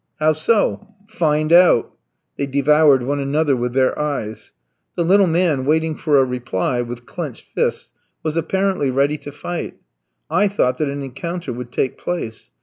"How so?" "Find out." They devoured one another with their eyes. The little man, waiting for a reply, with clenched fists, was apparently ready to fight. I thought that an encounter would take place.